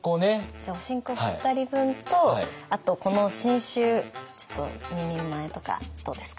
じゃあおしんこ２人分とあとこの新酒ちょっと２人前とかどうですか？